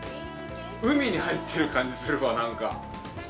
海に入ってる感じするわ、なんか。